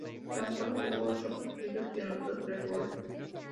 Tan solo jugó ocho partidos y anotó tres goles.